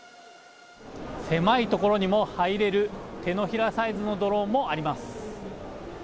狭いところにも入れる手のひらサイズのドローンもあります。